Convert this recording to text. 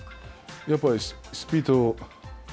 やっぱりスピード